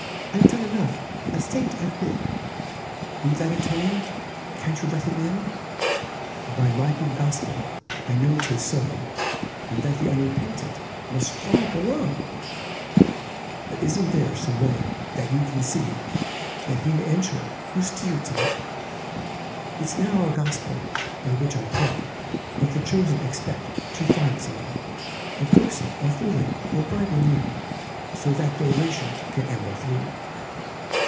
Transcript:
I've done enough a saint I've been Won't that atone? Can't you let him in? By my grim gospel I know 'tis so That the unrepentant must fry below; But isn't there some way that you can see, That he may enter who's dear to me? It's a narrow gospel by which I pray, But the chosen expect to find some way Of coaxing, or fooling, or bribing you So that their relation can amble through.